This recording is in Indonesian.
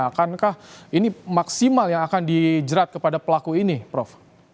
akankah ini maksimal yang akan dijerat kepada pelaku ini prof